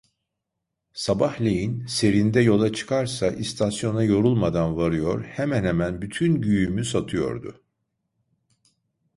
Sabahleyin serinde yola çıkarsa istasyona yorulmadan varıyor, hemen hemen bütün güğümü satıyordu.